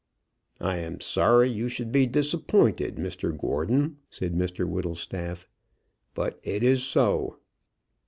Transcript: "I am sorry you should be disappointed, Mr Gordon," said Mr Whittlestaff; "but it is so."